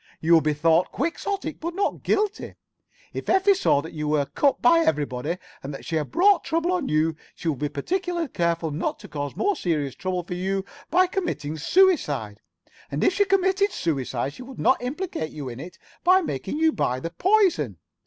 You would be thought quixotic but not guilty. If Effie saw that you were cut by everybody and that she had brought trouble on you, she would be particularly careful not to cause more serious trouble for you by committing suicide. And if she committed suicide, she would not implicate you in it by making you buy the poison.